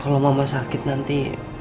kalau mama sakit nanti